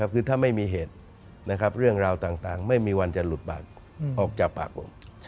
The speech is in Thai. คือถ้าไม่มีเหตุเรื่องราวต่างไม่มีวันจะหลุดปากออกจากปากผม